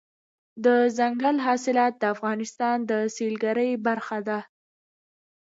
دځنګل حاصلات د افغانستان د سیلګرۍ برخه ده.